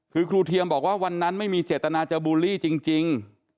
คือครูเทียมบอกว่าวันนั้นไม่มีเจตนาจะบูลลี่จริง